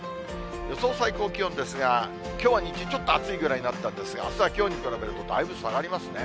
予想最高気温ですが、きょうは日中、ちょっと暑いぐらいになったんですが、あすはきょうに比べるとだいぶ下がりますね。